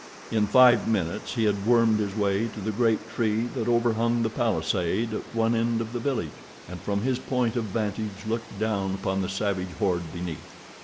In five minutes he had wormed his way to the great tree that overhung the palisade at one end of the village, and from his point of vantage looked down upon the savage horde beneath.